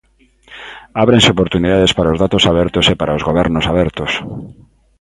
Ábrense oportunidades para os datos abertos e para os gobernos abertos.